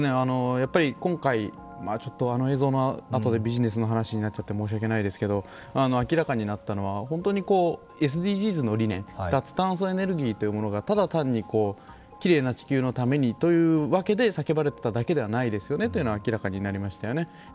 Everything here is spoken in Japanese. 今回、あの映像のあとでビジネスの話になっちゃって申し訳ないですが明らかになったのは本当にＳＤＧｓの理念、脱炭素エネルギーというものがただ単にきれいな地球のためにというだけで叫ばれていただけではないですよねというのが明らかになりましたよね。